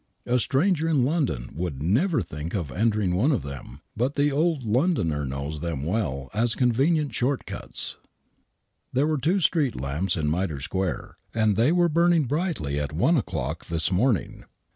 A stranger in London would never think of entering one of them, but the old Londoner knows them well as convenient short cuts. There are two street lamps in Mitre Square, and they were burning brightly at 1 o'clock this morning.